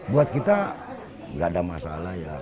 buat kita nggak ada masalah ya